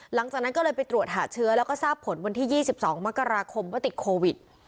หลังจากนั้นก็เลยไปตรวจหาเชื้อแล้วก็ทราบผลวันที่๒๒มกราคมว่าติดโควิด